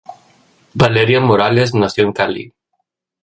Valeria Morales nació en Cali.